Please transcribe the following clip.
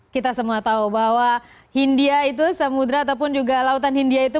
kita semua tahu bahwa hindia itu samudera ataupun juga lautan hindia itu